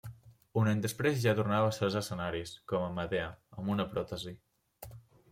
Un any després ja tornava a ser als escenaris, com a Medea, amb una pròtesi.